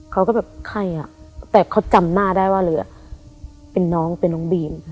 เขาก็แบบใครอ่ะแต่เขาจำหน้าได้ว่าเรือเป็นน้องเป็นน้องบีม